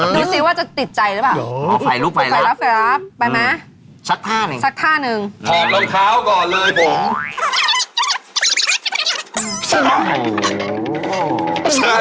ดูสิว่าจะติดใจหรือเปล่าเอาไฟลูกไฟลับไปไหมชักท่าหนึ่งชักท่าหนึ่ง